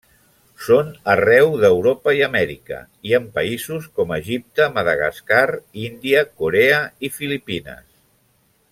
Són arreu d'Europa i Amèrica, i en països com Egipte, Madagascar, Índia, Corea i Filipines.